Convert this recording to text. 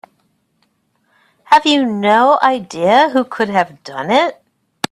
Have you no idea who could have done it?